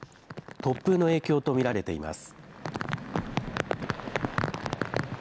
突風の影響と見られています。